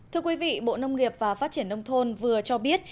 thưa quý vị bộ nông nghiệp và phát triển nông thôn vừa cho biết